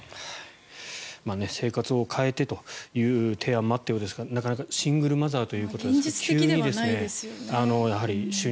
生活を変えてという提案もあったようですがなかなかシングルマザーということで。